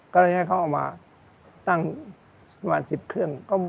ก็เลยให้เขาเอามาตั้งสิบเครื่อง